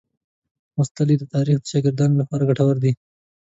لوستل یې د تاریخ د شاګردانو لپاره ګټور دي.